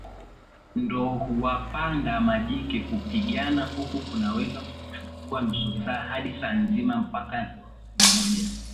ndo huwapanda majike Kupigana huku kunaweza chukua nusu saa hadi saa zima mpaka mmoja